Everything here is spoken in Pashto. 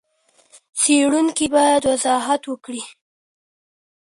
څېړونکی بايد وضاحت ورکړي.